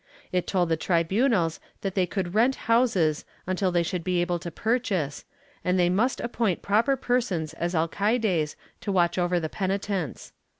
It told the tribunals that they could rent houses until they should be able to purchase, and they must appoint proper persons as alcaides to keep watch over the penitents.